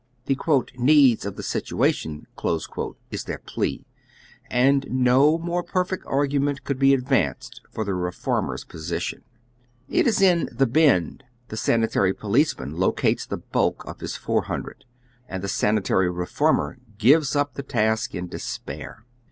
The "needs of the situation " is their plea, and no more perfect argu ment could be advanced for the reformer's position. It is in " the Bend " the sanitary policeman locates the bulk of his four hundred, and the sanitary reformer gives up the task in despair.